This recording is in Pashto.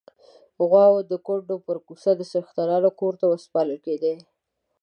غواوې د کونډو پر کوڅه د څښتنانو کور ته ورسپارل کېدې.